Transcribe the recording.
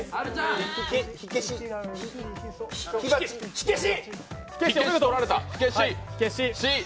火消し！